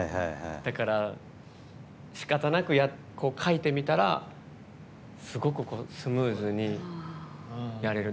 だから、しかたなく書いてみたらすごくスムーズにやれる。